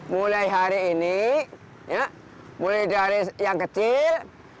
mulai hari ini mulai dari yang kecil